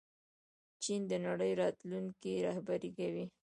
چین د نړۍ راتلونکی رهبري کوي.